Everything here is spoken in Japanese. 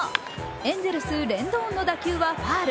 エンゼルス・レンドーンの打球はファウル。